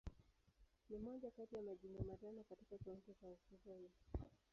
Ni moja kati ya Majimbo matano katika Kaunti ya Trans-Nzoia.